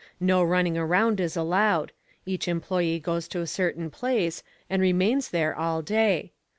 No running around is allowed each employee goes to a certain place and remains there all day.